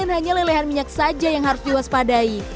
hanya lelehan minyak saja yang harus diwaspadai